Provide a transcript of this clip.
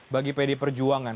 bagi pdi perjuangan